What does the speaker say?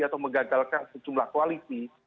atau menggagalkan sejumlah kualiti